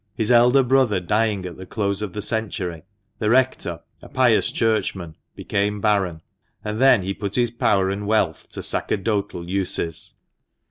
His elder brother dying at the close of the century, the rector (a pious Churchman) became baron. And then he put his power and wealth to sacerdotal uses.